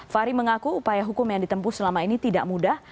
fahri mengaku upaya hukum yang ditempuh selama ini tidak mudah